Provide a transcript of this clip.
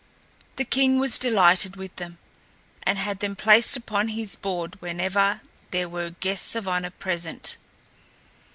The king was delighted with them, and had them placed upon his board whenever there were guests of honor present.